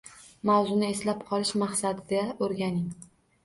Mavzuni eslab qolish maqsadida o‘rganing.